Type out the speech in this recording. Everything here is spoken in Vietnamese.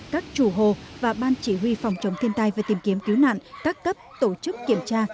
các chủ hồ và ban chỉ huy phòng chống thiên tai và tìm kiếm cứu nạn các cấp tổ chức kiểm tra